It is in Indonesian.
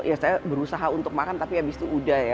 ya saya berusaha untuk makan tapi habis itu udah ya